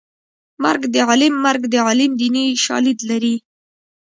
مرګ د عالم مرګ د عالم دیني شالید لري